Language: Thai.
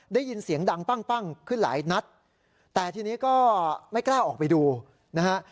ได้ยินเสียงดังปั้งปั้งขึ้นหลายนัดแต่ทีนี้ก็ไม่กล้าออกไปดูนะฮะ